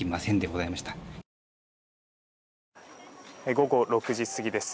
午後６時過ぎです。